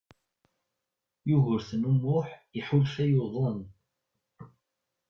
Yugurten U Muḥ iḥulfa yuḍen.